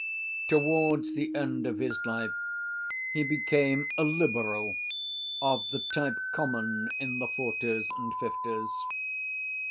Towards the end of his life he became a Liberal of the type common in the forties and fifties.